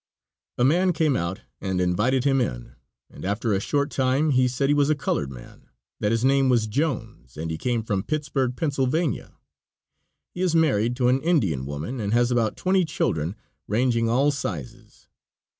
A man came out and invited him in, and after a short time he said he was a colored man, that his name was Jones, and he came from Pittsburg, Pa. He is married to an Indian woman and has about twenty children, ranging all sizes.